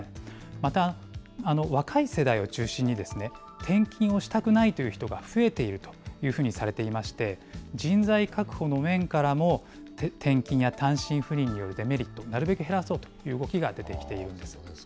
また若い世代を中心に、転勤をしたくないという人が増えているというふうにされていまして、人材確保の面からも転勤や単身赴任によるデメリット、なるべく減らそうという動きが出てきているんです。